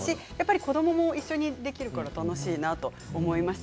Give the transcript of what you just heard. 子どもも一緒にできるから楽しいと思いました。